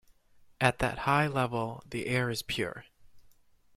At that high level the air is pure.